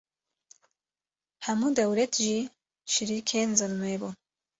hemû dewlet jî şîrêkên zilmê bûn